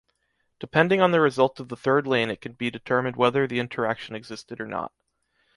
Depending on the result of the third lane it can be determined whether the interaction existed or not.